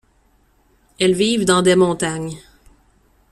Elles vivent dans des montagnes.